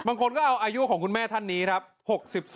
บางคนก็เอาอายุของคุณแม่ท่านนี้ครับ